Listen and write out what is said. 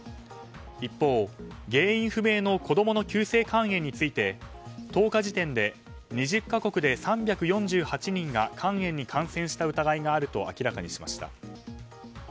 一方、原因不明の子供の急性肝炎について１０日時点で２０か国で３４８人が肝炎に感染した疑いがあると明らかにしました。